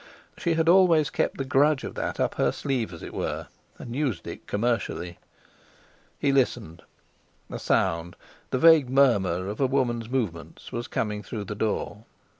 She had always kept the grudge of that up her sleeve, as it were, and used it commercially. He listened. A sound—the vague murmur of a woman's movements—was coming through the door.